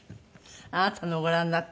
あなたのをご覧になって？